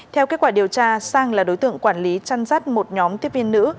theo kết quả điều tra sang là đối tượng quản lý chăn rắt một nhóm tiếp viên nữ